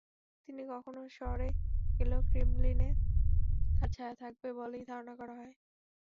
তিনি কখনো সরে গেলেও ক্রেমলিনে তাঁর ছায়া থাকবে বলেই ধারণা করা হয়।